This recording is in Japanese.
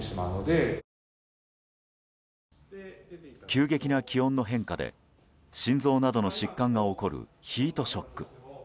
急激な気温の変化で心臓などの疾患が起こるヒートショック。